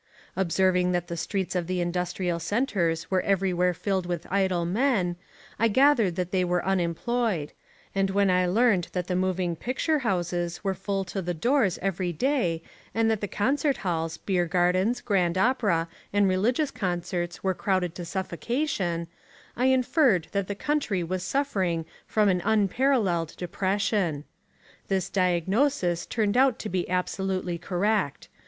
Observing that the streets of the industrial centres were everywhere filled with idle men, I gathered that they were unemployed: and when I learned that the moving picture houses were full to the doors every day and that the concert halls, beer gardens, grand opera, and religious concerts were crowded to suffocation, I inferred that the country was suffering from an unparalleled depression. This diagnosis turned out to be absolutely correct.